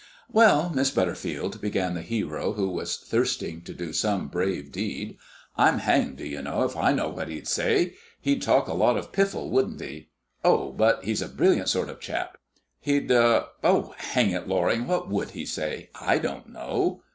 "Well, Miss Butterfield," began the hero who was thirsting to do some brave deed, "I'm hanged, do you know, if I know what he'd say. He'd talk a lot of piffle, wouldn't he oh, but he's a brilliant sort of chap. He'd oh, hang it, Loring, what would he say? I don't know."